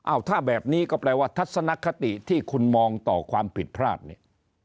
ถ้าแบบนี้ก็แปลว่าทัศนคติที่คุณมองต่อความผิดพลาดเนี่ย